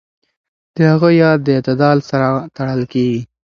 د هغه ياد د اعتدال سره تړل کېږي.